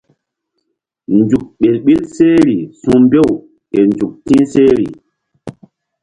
Nzuk ɓel ɓil sehri su̧mbew ke nzuk ti̧h sehri.